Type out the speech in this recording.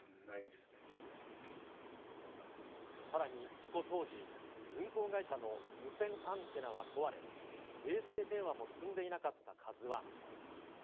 さらに事故当時、運航会社の無線アンテナは壊れ、衛星電話も積んでいなかったカズワン。